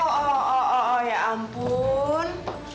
oh oh oh ya ampun